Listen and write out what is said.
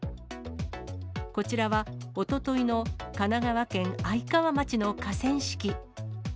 こちらは、おとといの神奈川県愛川町の河川敷。